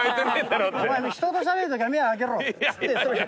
「お前人としゃべる時は目開けろ」っつって。